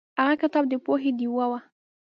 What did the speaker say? هغه کتاب د پوهې ډیوه وه.